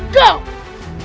mundur seperti ini